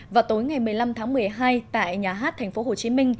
vào tối ngày một mươi năm tháng một mươi hai tại nhà hát tp hcm